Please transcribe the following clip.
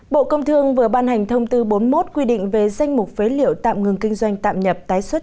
bộ công thương vừa ban hành thông tư bốn mươi một quy định về danh mục phế liệu tạm ngừng kinh doanh tạm nhập tái xuất